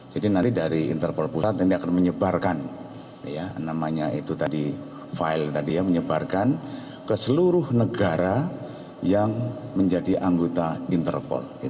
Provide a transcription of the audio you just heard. jadi nanti dari interpol pusat ini akan menyebarkan namanya itu tadi file tadi ya menyebarkan ke seluruh negara yang menjadi anggota interpol